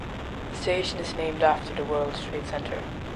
The station is named after the World Trade Centre.